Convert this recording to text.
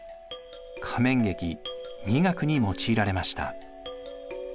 仮面劇伎楽に用いられました。